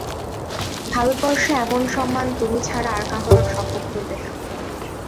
ভারতবর্ষে এমন সম্মান তুমি ছাড়া আর কাহারো সম্ভব হইবে না।